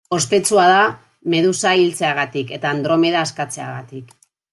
Ospetsua da Medusa hiltzeagatik eta Andromeda askatzeagatik.